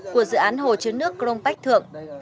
của dự án hồ chứa nước cronpach thượng